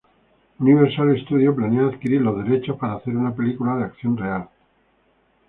Universal Studios planea adquirir los derechos para hacer una película de acción real.